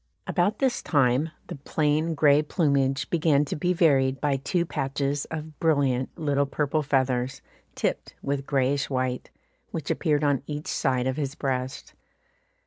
About this time the plain grey plumage began to be varied by two patches of brilliant little purple feathers, tipped with greyish white, which appeared on each side of his breast.